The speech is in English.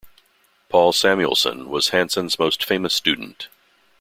Paul Samuelson was Hansen's most famous student.